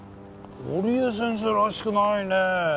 織枝先生らしくないねえ。